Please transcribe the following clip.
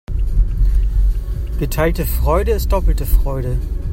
Geteilte Freude ist doppelte Freude.